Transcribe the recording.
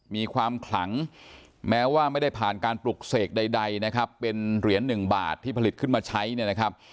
มีความขลังแม้ว่าไม่ได้ผ่านการปลุกเสกใดนะครับเป็นเหรียญหนึ่งบาทที่ผลิตขึ้นมาใช้เนี่ยนะครับ